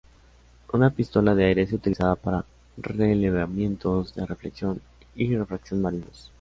Una pistola de aire es utilizada para relevamientos de reflexión y refracción marinos.